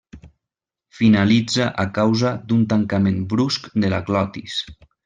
Finalitza a causa d'un tancament brusc de la glotis.